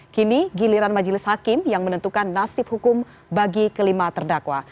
kini giliran majelis hakim yang menentukan nasib hukum bagi kelima terdakwa